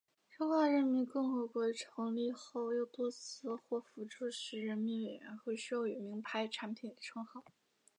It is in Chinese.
中华人民共和国成立后又多次获福州市人民委员会授予名牌产品称号。